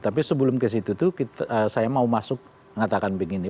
tapi sebelum ke situ tuh saya mau masuk mengatakan begini